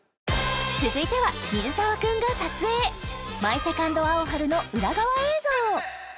続いては水沢君が撮影「マイ・セカンド・アオハル」の裏側映像